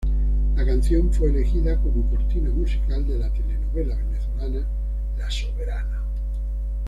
La canción fue elegida como cortina musical de la telenovela venezolana "La soberana".